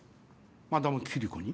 マダムキリコに？